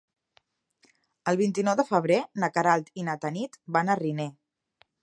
El vint-i-nou de febrer na Queralt i na Tanit van a Riner.